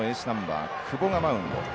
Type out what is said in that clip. ナンバー久保がマウンド。